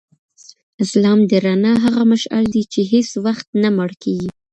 اسلام د رڼا هغه مشعل دی چي هیڅ وختنه مړ کیږي.